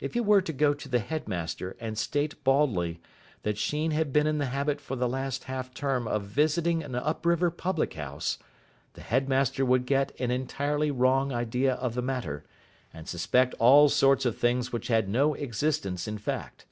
If he were to go to the headmaster and state baldly that Sheen had been in the habit for the last half term of visiting an up river public house, the headmaster would get an entirely wrong idea of the matter, and suspect all sorts of things which had no existence in fact.